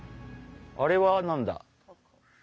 あれは何だ？